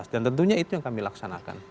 dan tentunya itu yang kami laksanakan